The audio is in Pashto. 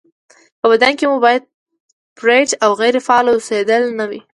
په بدن کې مو باید برید او غیرې فعاله اوسېدل نه وي